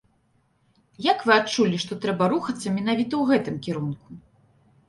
Як вы адчулі, што трэба рухацца менавіта ў гэтым кірунку?